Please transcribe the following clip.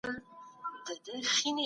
ديني ادب پند او نصيحت لري.